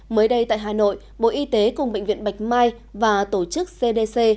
mới đây tại hà nội bộ y tế cùng bệnh viện bạch mai và tổ chức cdc